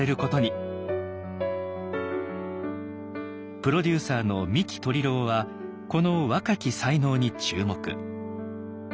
プロデューサーの三木鶏郎はこの若き才能に注目。